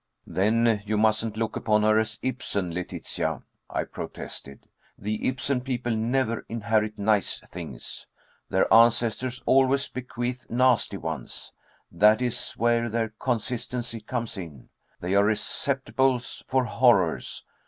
"Then you mustn't look upon her as Ibsen, Letitia," I protested. "The Ibsen people never inherit nice things. Their ancestors always bequeath nasty ones. That is where their consistency comes in. They are receptacles for horrors.